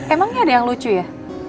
emangnya ada yang lucu ya